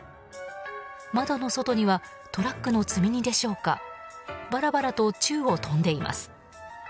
窓の外にはトラックの積み荷でしょうかバラバラと宙を飛んでいます。